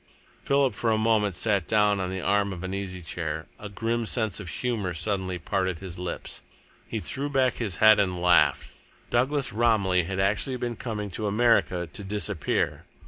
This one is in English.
Philip for a moment sat down on the arm of an easy chair. A grim sense of humour suddenly parted his lips. He threw back his head and laughed. Douglas Romilly had actually been coming to America to disappear!